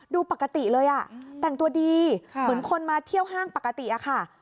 ดูปกติเลยอ่ะแต่งตัวดีเหมือนคนมาเที่ยวห้างปกติอะค่ะ